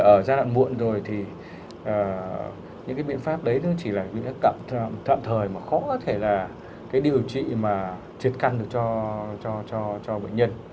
ở giai đoạn muộn rồi thì những cái biện pháp đấy nó chỉ là biện pháp cận thời mà khó có thể là cái điều trị mà triệt căn được cho bệnh nhân